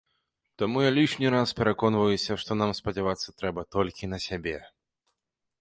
Таму я лішні раз пераконваюся, што нам спадзявацца трэба толькі на сябе.